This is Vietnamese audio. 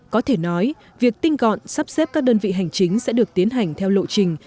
có thể nói việc tinh gọn sắp xếp các đơn vị hành chính sẽ được tiến hành theo lộ trình